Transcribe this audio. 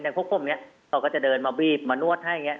อย่างพวกผมเนี้ยเขาก็จะเดินมาบีบมานวดให้เนี้ย